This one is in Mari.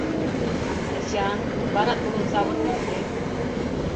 Эча-а-ан, вара толын савырнет вет?